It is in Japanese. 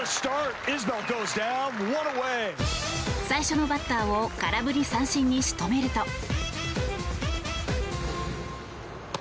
最初のバッターを空振り三振に仕留めると。